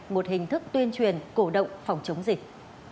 một hình thức tuyên truyền cổ động phòng chống dịch